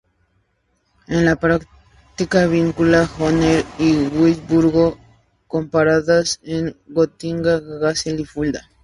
En la práctica vincula Hannover y Wurzburgo con paradas en Gotinga, Kassel y Fulda.